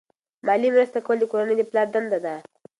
مالی مرسته کول د کورنۍ د پلار دنده ده.